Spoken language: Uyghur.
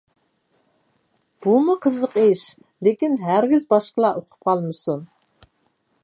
بۇمۇ قىزىق ئىش، لېكىن ھەرگىز باشقىلار ئۇقۇپ قالمىسۇن!